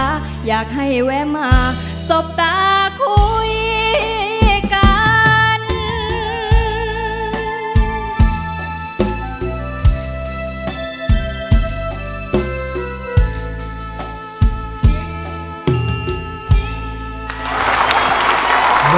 อยากให้แวะมาสบตาคุยกัน